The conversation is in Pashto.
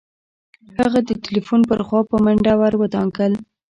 هغه د ټليفون پر خوا په منډه ور ودانګل.